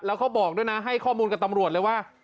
แล้วเขาบอกด้วยนะให้ข้อมูลกับตำรวจเลยว่า